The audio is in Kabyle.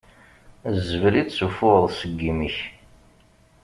D zzbel i d-tessuffuɣeḍ seg yimi-k.